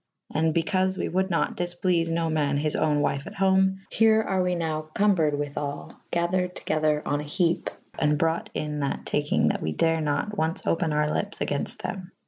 And by caufe we wold nat difpleafe no man his owne wyfe at home : here are we nowe combred with all / gathered togyder on a hepe /& brought in that takinge that we dare nat ones open our lyppes agaynfte them.